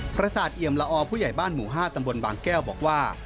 พระศาสตร์เอียมลอผู้ใหญ่บ้านหมู่ห้าตำบลบางแก้วบอกว่า